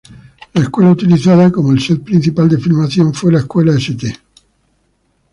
La escuela utilizada como el set principal de filmación, fue la Escuela St.